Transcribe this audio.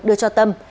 đưa cho tâm